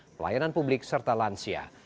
pelayanan publik serta layanan